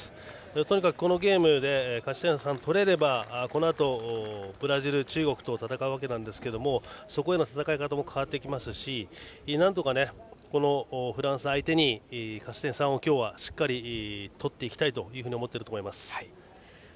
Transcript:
とにかくこのゲームで勝ち点３を取れればこのあとブラジル、中国と戦うわけですがそこでの戦い方も変わってきますし、なんとかフランス相手に勝ち点３を今日はしっかりとっていきたいと思っています。